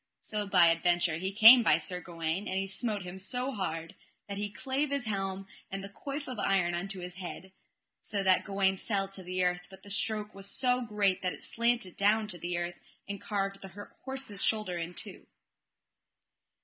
So by adventure he came by Sir Gawaine, and he smote him so hard that he clave his helm and the coif of iron unto his head, so that Gawaine fell to the earth; but the stroke was so great that it slanted down to the earth and carved the horse's shoulder in two.